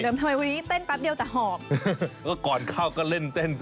ทำไมวันนี้เต้นแป๊บเดียวแต่หอมก็ก่อนเข้าก็เล่นเต้นซะโอ้โหวอร์มเยอะ